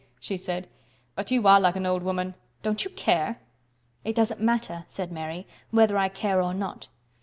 she said, "but you are like an old woman. Don't you care?" "It doesn't matter" said Mary, "whether I care or not."